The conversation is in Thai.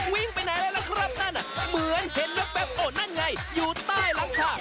วิ้งไปไหนแล้วล่ะครับนั่นน่ะเหมือนเห็นเล็กแบบโอ๊ยนั่นไงอยู่ใต้รังผ้า